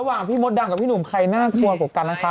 ระหว่างพี่มดดำกับพี่หนุ่มใครน่ากลัวกับกันนะคะ